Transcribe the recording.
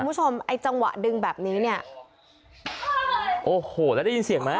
คุณผู้ชมไอ้จังหวะดึงแบบนี้เนี่ยโอ้โหแล้วได้ยินเสียงไหม